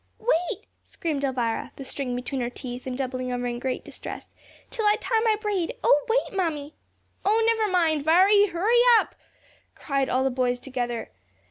"Wait!" screamed Elvira, the string between her teeth, and doubling over in great distress, "till I tie my braid. Oh, wait, Mammy." "Oh, never mind! Viry, hurry up!" cried all the boys together.